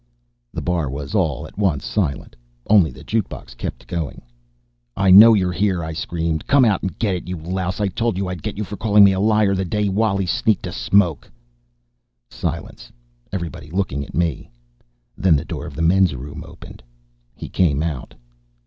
The bar was all at once silent. Only the jukebox kept going. "I know you're here!" I screamed. "Come out and get it! You louse, I told you I'd get you for calling me a liar the day Wally sneaked a smoke!" Silence, everybody looking at me. Then the door of the men's room opened. He came out.